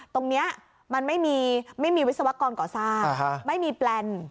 ตรงนี้มันไม่มีวิศวกรก่อสร้างไม่มีแปลน